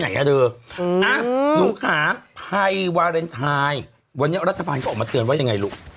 นุลกราศนภัยวาเลนไทน์วันเจ้ารัฐฟันส่งมาเตือนไว้อย่างไงลูก